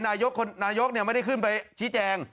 นายกไม่ได้ขึ้นไปชี้แจง